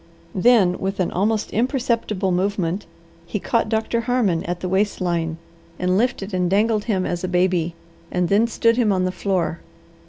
Then, with an almost imperceptible movement, he caught Doctor Harmon at the waist line, and lifted and dangled him as a baby, and then stood him on the floor.